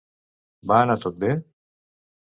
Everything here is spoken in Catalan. Va anar tot bé?